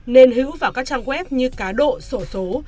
nên hữu vào các trang web như cá độ sổ số